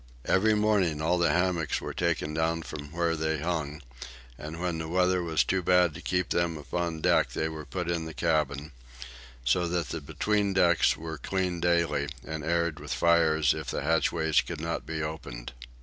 Every morning all the hammocks were taken down from where they hung, and when the weather was too bad to keep them upon deck they were put in the cabin; so that the between decks were cleaned daily and aired with fires if the hatchways could not be opened.